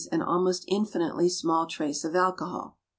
an almost infinitely small trace of alcohol.